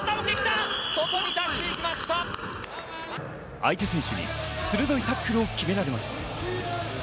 相手選手に鋭いタックルを決められます。